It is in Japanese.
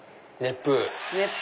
熱風？